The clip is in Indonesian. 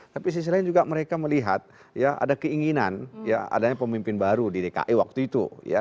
tapi sisi lain juga mereka melihat ada keinginan ya adanya pemimpin baru di dki waktu itu